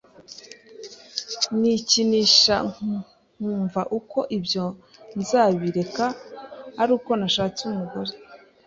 nikinisha nkumva ko ibyo nzabireka aruko nashatse umugore.